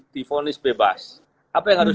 difonis bebas apa yang harus